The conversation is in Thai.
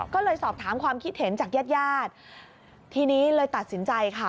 ก็เลยสอบถามความคิดเห็นจากญาติญาติทีนี้เลยตัดสินใจค่ะ